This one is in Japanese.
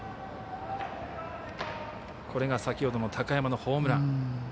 先ほどの高山のホームラン。